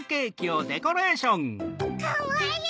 かわいい！